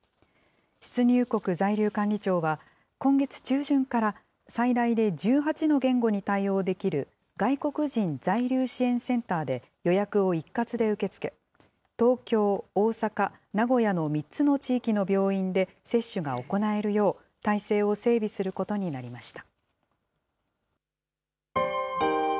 出入国在留管理庁は、今月中旬から、最大で１８の言語に対応できる外国人在留支援センターで予約を一括で受け付け、東京、大阪、名古屋の３つの地域の病院で、接種が行えるよう、体制を整備することになりました。